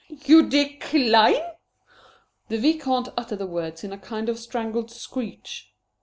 "You decline?" The Vicomte uttered the words in a kind of strangled screech.